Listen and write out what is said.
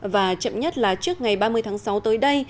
và chậm nhất là trước ngày ba mươi tháng sáu tới đây